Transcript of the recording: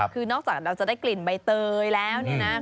คือนอกจากเราจะได้กลิ่นใบเตยแล้วเนี่ยนะ